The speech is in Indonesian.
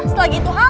setelah itu halal